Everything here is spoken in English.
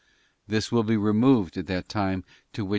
This will be removed at that time to which 8.